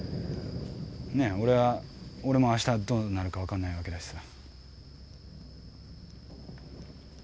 ねぇ俺もあしたどうなるか分かんないわけだしさ。